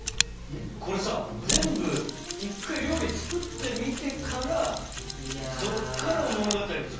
これさ全部一回料理作ってみてからそこから物語作るんだ。